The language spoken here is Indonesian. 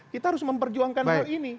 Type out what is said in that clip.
kita harus memperjuangkan hal ini